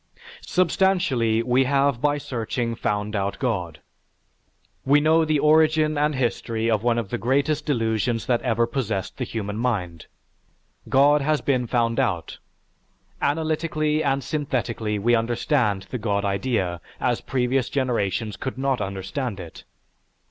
"Substantially, we have by searching found out God. We know the origin and history of one of the greatest delusions that ever possessed the human mind. God has been found out; analytically and synthetically we understand the God idea as previous generations could not understand it.